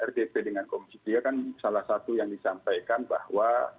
rdp dengan komisi tiga kan salah satu yang disampaikan bahwa